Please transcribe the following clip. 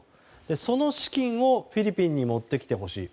その資金をフィリピンに持ってきてほしいと。